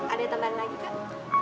ada yang tambahin lagi kak